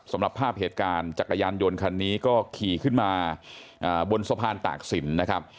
สำหรับภาพเหตุการณ์จักรยานยนต์คันนี้ก็ขี่ขึ้นมาบนสะพานตากศิลป์นะครับ